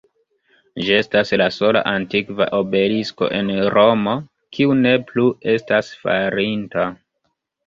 Ĝi estas la sola antikva obelisko en Romo, kiu ne plu estas falinta.